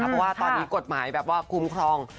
เพราะว่าตอนนี้กฎหมายแบบว่าคุ้มครอง